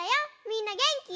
みんなげんき？